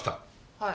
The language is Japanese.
はい。